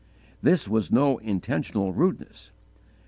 "_ This was no intentional rudeness.